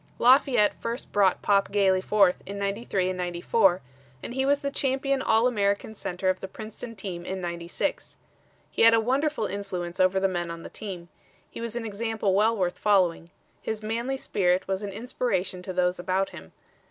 Lafayette first brought Pop Gailey forth in '93 and '94, and he was the champion All American center of the Princeton team in '96. He had a wonderful influence over the men on the team. He was an example well worth following. His manly spirit was an inspiration to those about him.